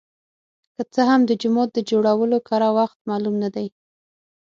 که څه هم د جومات د جوړولو کره وخت معلوم نه دی.